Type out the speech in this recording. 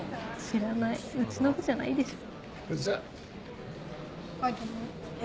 知らないうちの部じゃないでしょ。